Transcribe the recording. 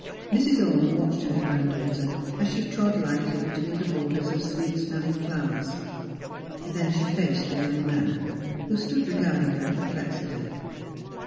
Mrs. Orne watched her grand daughter as she trod lightly between the borders of sweet smelling flowers. Then she faced the young man, who stood regarding her perplexedly.